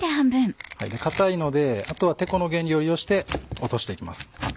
硬いのであとはてこの原理を利用して落としていきます。